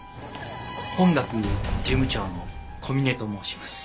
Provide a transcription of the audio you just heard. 本学事務長の小嶺と申します。